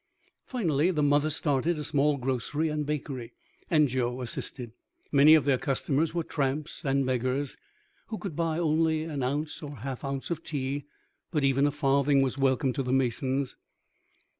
Finally the mother started a small grocery and bakery, and Joe assisted. Many of their customers were tramps and beggars, who could buy only an ounce or half ounce of tea; but even a farthing was welcome to the Masons.